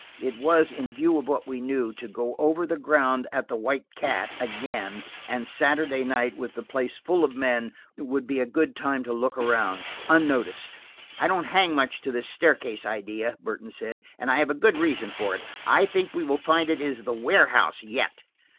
It was, in view of what we knew, to go over the ground at the White Cat again, and Saturday night, with the place full of men, would be a good time to look around, unnoticed. "I don't hang so much to this staircase idea," Burton said, "and I have a good reason for it. I think we will find it is the warehouse, yet."